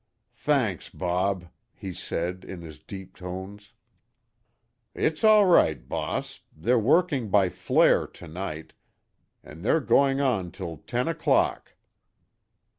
"Thanks, Bob," he said, in his deep tones. "It's all right, boss, they're working by flare to night, an' they're going on till ten o'clock."